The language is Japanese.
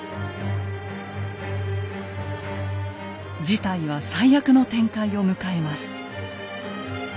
事態は最悪の展開を迎えます。